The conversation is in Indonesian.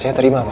saya terima pak